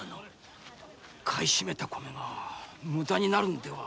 買い占めた米が無駄になるのでは？